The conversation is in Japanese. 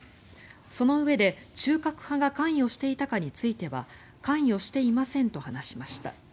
そのうえで、中核派が関与していたかについては関与していませんと話しました。